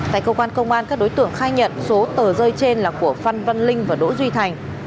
tại cơ quan công an các đối tượng khai nhận số tờ rơi trên là của phan văn linh và đỗ duy thành